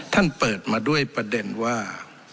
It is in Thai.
ท่านเปิดมาด้วยประเด็นว่า